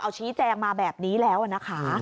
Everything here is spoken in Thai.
เอาชี้แจงมาแบบนี้แล้วนะคะ